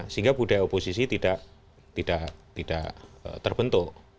sehingga budaya oposisi tidak terbentuk